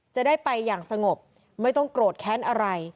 จะได้ไปอย่างสงบไม่ต้องโกรธแค้นอะไร